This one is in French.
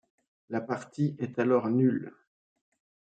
La partie est alors nulle.